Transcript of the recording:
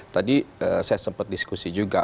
tadi saya sempat diskusi juga